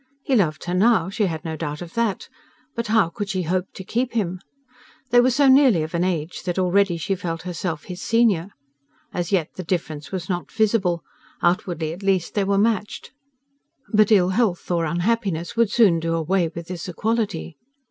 He loved her now; she had no doubt of that; but how could she hope to keep him? They were so nearly of an age that already she felt herself his senior. As yet the difference was not visible; outwardly at least they were matched; but ill health or unhappiness would soon do away with this equality.